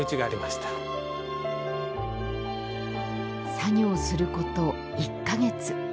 作業すること１か月。